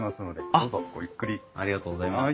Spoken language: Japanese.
ありがとうございます。